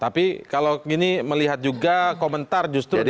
tapi kalau melihat juga komentar justru dari